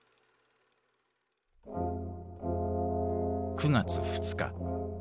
９月２日。